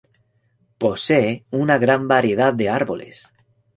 Posee una gran variedad de árboles.